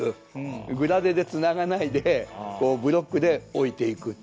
グラデでつながないでブロックで置いていく。